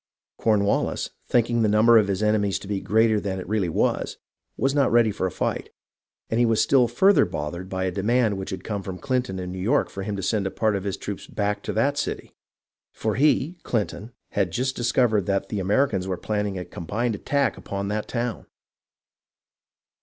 Cornwallis, thinking the number of his enemies to be greater than it really was, was not ready for a fight, and he was still further bothered by a demand which had come from Clinton in New York for him to send a part of his troops back to that city, for he (Clinton) had just discovered that the Americans were planning a combined attack upon that town.